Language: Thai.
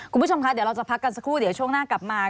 คุณผู้ชมคะเดี๋ยวเราจะพักกันสักครู่เดี๋ยวช่วงหน้ากลับมา